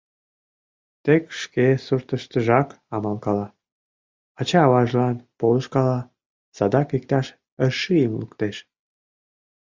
Тек шке суртыштыжак амалкала, ача-аважлан полышкала, садак иктаж ыршийым луктеш.